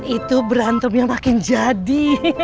itu berantem yang makin jadi